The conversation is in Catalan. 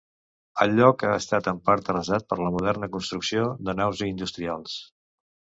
El lloc ha estat en part arrasat per la moderna construcció de naus i industrials.